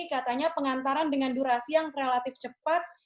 katanya pengantaran dengan durasi yang relatif cepat